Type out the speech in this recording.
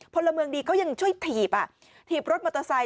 พลเมืองดีเขายังช่วยถีบถีบรถมอเตอร์ไซค